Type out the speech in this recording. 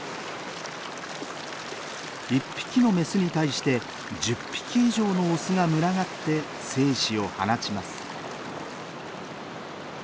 １匹のメスに対して１０匹以上のオスが群がって精子を放ちます。